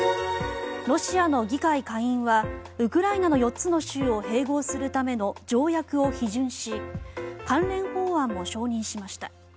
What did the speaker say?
ロシアの議会下院はウクライナの４つの州を併合するための条約を批准し関連法案も承認しました。